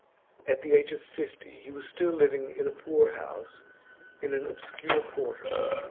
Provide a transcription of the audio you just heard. At the age of fifty he was still living in a poor house in an obscure quarter.